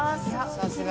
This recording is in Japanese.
さすが。